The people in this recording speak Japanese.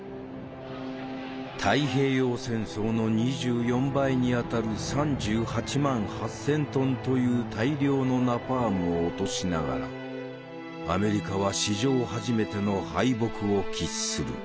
太平洋戦争の２４倍にあたる３８万８，０００トンという大量のナパームを落としながらアメリカは史上初めての敗北を喫する。